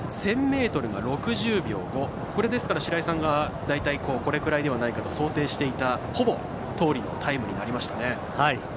１０００ｍが６０秒５白井さんがこれくらいではないかと想定していたのとほぼどおりのタイムになりましたね。